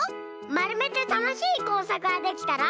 まるめてたのしいこうさくができたら。